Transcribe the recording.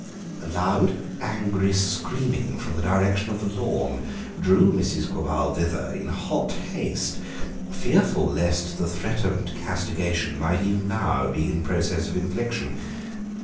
A loud, angry screaming from the direction of the lawn drew Mrs. Quabarl thither in hot haste, fearful lest the threatened castigation might even now be in process of infliction.